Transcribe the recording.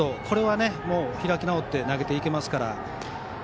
これは開き直って投げていけますから。